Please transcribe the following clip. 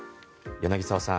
柳澤さん